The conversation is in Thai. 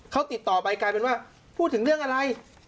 เขาติดต่อไปกลายเป็นว่าพูดถึงเรื่องอะไร